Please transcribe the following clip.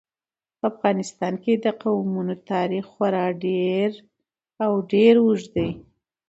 په افغانستان کې د قومونه تاریخ خورا ډېر او ډېر اوږد دی.